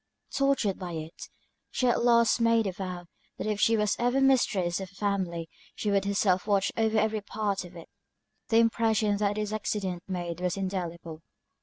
Tortured by it, she at last made a vow, that if she was ever mistress of a family she would herself watch over every part of it. The impression that this accident made was indelible.